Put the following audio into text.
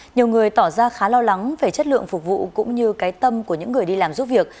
nhiều người tỏ ra khá lo lắng về chất lượng phục vụ cũng như cái tâm của những người đi làm giúp việc